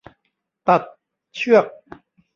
ตัดเชือก